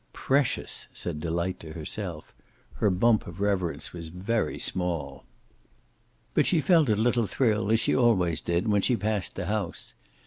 "Precious!" said Delight to herself. Her bump of reverence was very small. But she felt a little thrill, as she always did, when she passed the house.